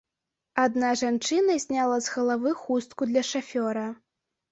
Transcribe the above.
Адна жанчына зняла з галавы хустку для шафёра.